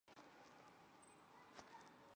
这一局面持续了近两个世纪。